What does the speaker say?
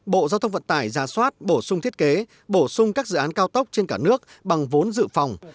bộ giao thông vận tải ra soát bổ sung thiết kế bổ sung các dự án cao tốc trên cả nước bằng vốn dự phòng